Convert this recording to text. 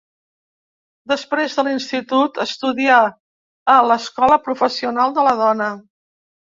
Després de l'institut, estudià a l'Escola Professional de la Dona.